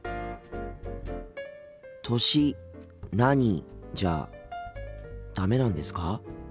「歳何？」じゃダメなんですか？